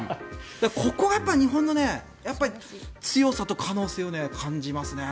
ここがやっぱり日本の強さと可能性を感じますね。